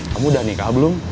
kamu udah nikah belum